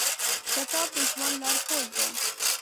کتاب د ژوند لارښود دی.